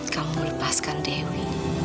kamu melepaskan dewi